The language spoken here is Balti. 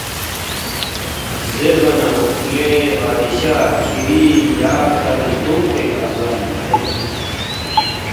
زیربا نہ، ”لے بادشاہ کِھری یا کَھر زدونگ پیکھہ ن٘ا لعنت تان٘ید